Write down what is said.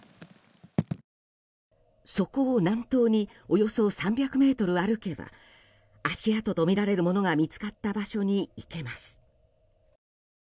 そこを南東におよそ３００ｍ歩けば足跡とみられるものが見つかった場所に行けます。